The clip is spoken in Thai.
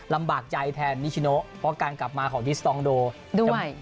ลำบากใจแทนนิชโนเพราะการกลับมาของดิสตองโดจะ